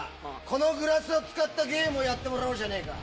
このグラスを使ったゲームをやってもらおうじゃねえか。